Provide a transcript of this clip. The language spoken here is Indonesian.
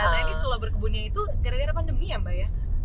nah ini kalau berkebunnya itu gara gara pandemi ya mbak ya